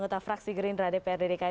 anggota fraksi gerindra dprd dki